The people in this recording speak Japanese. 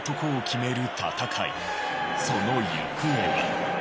その行方は。